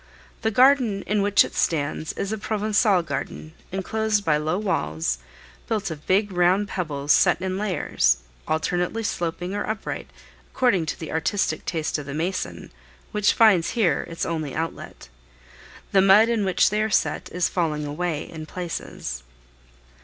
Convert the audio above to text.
The garden in which it stands is a Provencal garden, enclosed by low walls, built of big round pebbles set in layers, alternately sloping or upright, according to the artistic taste of the mason, which finds here its only outlet. The mud in which they are set is falling away in places.